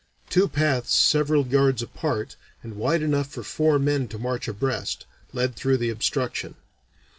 Two paths several yards apart, and wide enough for four men to march abreast, led through the obstruction.